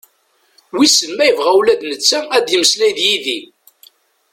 Wisen ma yebɣa ula d netta ad yemeslay d yid-i?